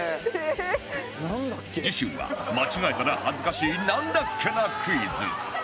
次週は間違えたら恥ずかしいなんだっけなクイズ